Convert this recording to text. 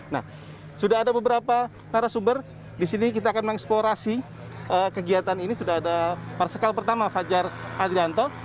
nah sudah ada beberapa narasumber di sini kita akan mengeksplorasi kegiatan ini sudah ada marsikal pertama fajar adrianto